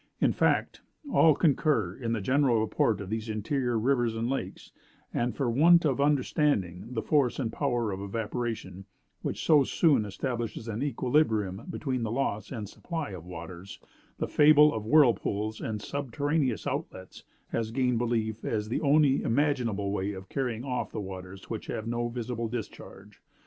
In fact, all concur in the general report of these interior rivers and lakes; and, for want of understanding the force and power of evaporation, which so soon establishes an equilibrium between the loss and supply of waters, the fable of whirlpools and subterraneous outlets has gained belief as the only imaginable way of carrying off the waters which have no visible discharge.